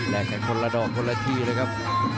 แรงแข็งคนละดอกคนละที่เลยครับ